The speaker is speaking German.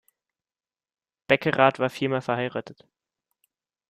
Beckerath war viermal verheiratet.